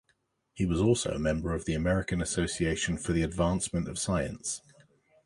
He was also a member of the American Association for the Advancement of Science.